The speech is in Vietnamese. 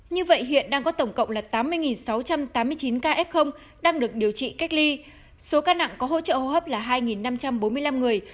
như vậy hiện đang có tổng cộng là tám mươi sáu trăm tám mươi chín ca f đang được điều trị cách ly số ca nặng có hỗ trợ hô hấp là hai năm trăm bốn mươi năm người